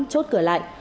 chốt cửa lại